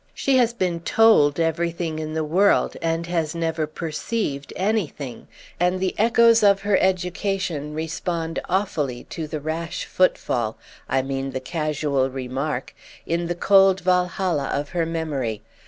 She has been told everything in the world and has never perceived anything, and the echoes of her education respond awfully to the rash footfall—I mean the casual remark—in the cold Valhalla of her memory.